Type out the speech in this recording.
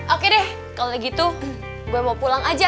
oke deh kalau gitu gue mau pulang aja